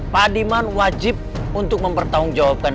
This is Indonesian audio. pak adiman wajib untuk mempertanggungjawabkan